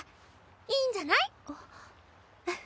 いいんじゃない？あっ。